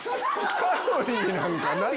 カロリーなんかない！